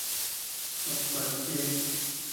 縮骨遮